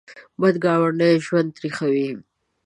بد ګاونډی ژوند تریخوي